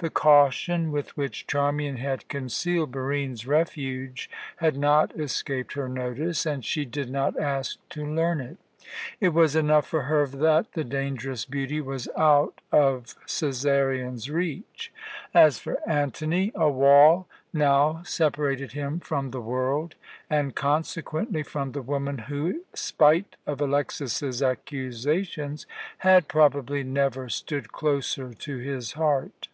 The caution with which Charmian had concealed Barine's refuge had not escaped her notice, and she did not ask to learn it. It was enough for her that the dangerous beauty was out of Cæsarion's reach. As for Antony, a wall now separated him from the world, and consequently from the woman who, spite of Alexas's accusations, had probably never stood closer to his heart.